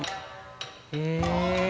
へえ。